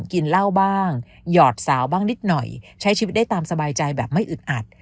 กินเหล้าบ้างหยอดสาวบ้างนิดหน่อยใช้ชีวิตได้ตามสบายใจแบบไม่อึดอัด